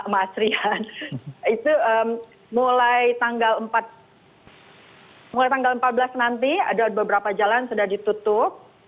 mas rian itu mulai tanggal empat belas nanti ada beberapa jalan sudah ditutup